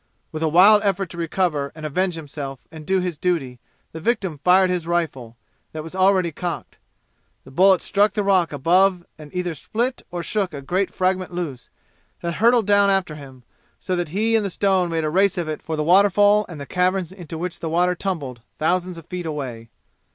With a wild effort to recover, and avenge himself, and do his duty, the victim fired his rifle, that was ready cocked. The bullet struck the rock above and either split or shook a great fragment loose, that hurtled down after him, so that he and the stone made a race of it for the waterfall and the caverns into which the water tumbled thousands of feet away.